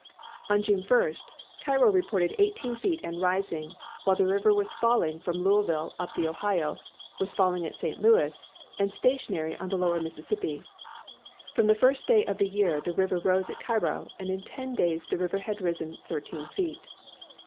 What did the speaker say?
On January 1, Cairo reported eighteen feet and rising, while the river was falling from Louisville up the Ohio, was falling at St. Louis, and stationary on the lower Mississippi. From the first day of the year the river rose at Cairo, and in ten days the river had risen thirteen feet.